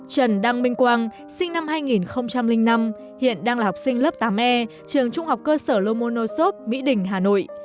trần đăng minh quang sinh năm hai nghìn năm hiện đang là học sinh lớp tám e trường trung học cơ sở lomonosop mỹ đình hà nội